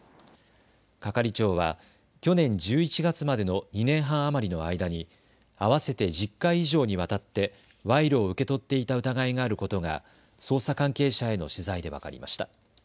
係長は去年１１月までの２年半余りの間に合わせて１０回以上にわたって賄賂を受け取っていた疑いがあることが捜査関係者への取材で分かりました。